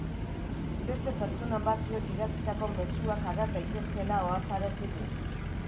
Beste pertsona batzuek idatzitako mezuak ager daitezkeela ohartarazi du.